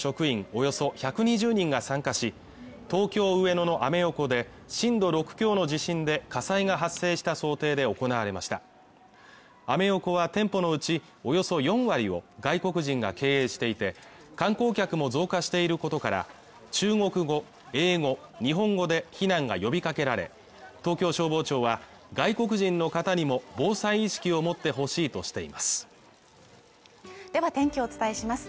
およそ１２０人が参加し東京・上野のアメ横で震度６強の地震で火災が発生した想定で行われましたアメ横は店舗のうちおよそ４割を外国人が経営していて観光客も増加していることから中国語英語、日本語で避難が呼びかけられ東京消防庁は外国人の方にも防災意識を持ってほしいとしていますでは天気をお伝えします